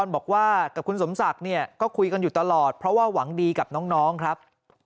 บอกว่ากับคุณสมศักดิ์เนี่ยก็คุยกันอยู่ตลอดเพราะว่าหวังดีกับน้องครับ